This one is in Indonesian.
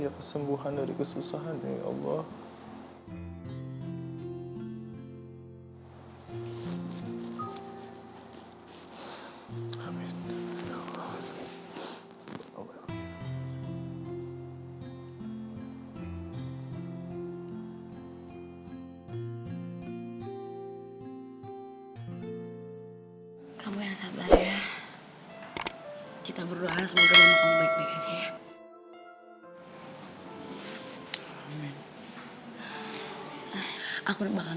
masih ada luka yang serius kan